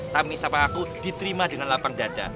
tapi sama aku diterima dengan lapang dada